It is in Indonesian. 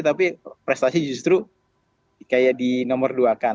tapi prestasi justru kayak di nomor dua kan